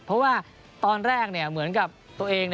เพราะว่าตอนแรกเหมือนกับตัวเอง